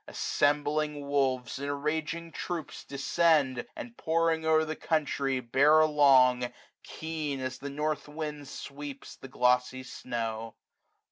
Assembling wolves in raging troops descend ; 395 And, pouring o'er the country, bear along. Keen as the north wind sweeps the glossy snow.